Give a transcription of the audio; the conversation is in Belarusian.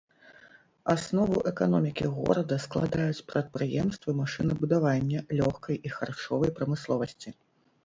Аснову эканомікі горада складаюць прадпрыемствы машынабудавання, лёгкай і харчовай прамысловасці.